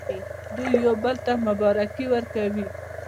دوی یو بل ته مبارکي ورکوي.